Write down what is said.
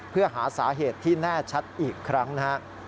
เพื่อหาสาเหตุที่แน่ชัดอีกครั้งนะครับ